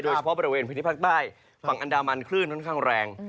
บริเวณพื้นที่ภาคใต้ฝั่งอันดามันคลื่นค่อนข้างแรง